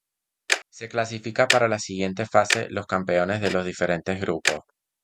Se clasifica para la siguiente fase los campeones de los diferentes grupos.